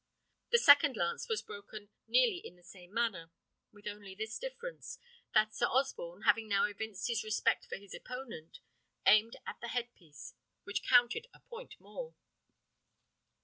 The second lance was broken nearly in the same manner; with only this difference, that Sir Osborne, having now evinced his respect for his opponent, aimed at the head piece, which counted a point more.